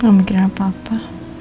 enggak mikirin apa apa